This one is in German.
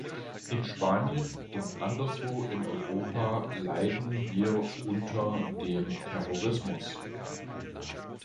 In Spanien und anderswo in Europa leiden wir unter dem Terrorismus.